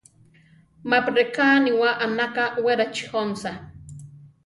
Mapi reká aniwá anaka Wérachi jónsa.